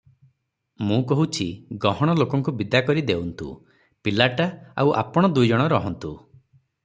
ମୁଁ କହୁଛି, ଗହଣ ଲୋକଙ୍କୁ ବିଦା କରି ଦେଉନ୍ତୁ, ପିଲାଟି ଆଉ ଆପଣ ଦୁଇଜଣ ରହନ୍ତୁ ।